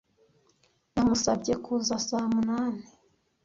Namusabye kuza saa munani